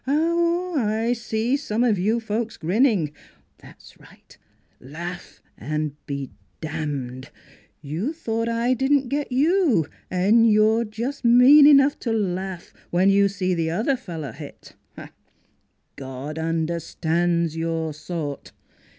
... I see some of you folks grinning. That's right, laugh and be dammed! You thought I didn't get you, and you're just mean enough to laugh when you see the other fellow hit. God understands your sort.